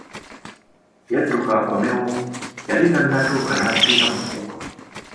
Yadduka akomewo, yali tannatuuka n'afiira mu kkubo.